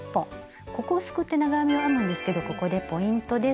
ここをすくって長編みを編むんですけどここでポイントです。